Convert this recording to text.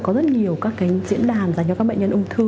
có rất nhiều các cái diễn đàn dành cho các bệnh nhân ung thư